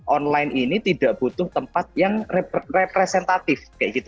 online ini tidak butuh tempat yang representatif